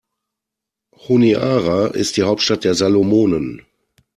Honiara ist die Hauptstadt der Salomonen.